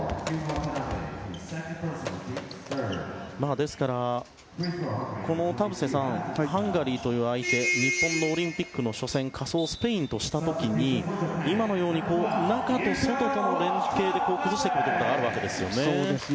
ですから、田臥さんハンガリーという相手日本のオリンピックの初戦仮想スペインとした時に今のように中と外との連係で崩してくることもあるわけですよね。